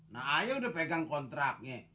nah ayo udah pegang kontraknya